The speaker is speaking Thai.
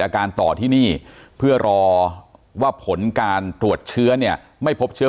อาการต่อที่นี่เพื่อรอว่าผลการตรวจเชื้อเนี่ยไม่พบเชื้อ